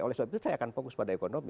oleh sebab itu saya akan fokus pada ekonomi